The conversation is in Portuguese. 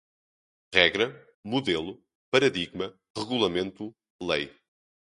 regra, modelo, paradigma, regulamento, lei